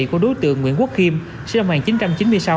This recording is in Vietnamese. của đối tượng nguyễn quốc khiêm sinh năm một nghìn chín trăm chín mươi sáu